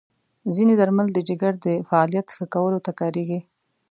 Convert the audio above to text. ځینې درمل د جګر د فعالیت ښه کولو ته کارېږي.